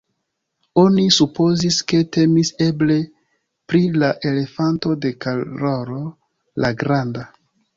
Oni supozis, ke temis eble pri la elefanto de Karolo la granda.